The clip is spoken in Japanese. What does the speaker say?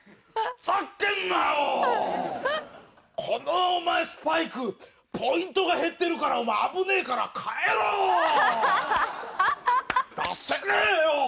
このお前スパイクポイントが減ってるからお前危ねえから替えろよ！